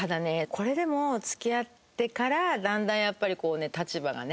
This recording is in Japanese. これでも付き合ってからだんだんやっぱりこうね立場がね。